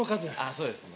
そうですね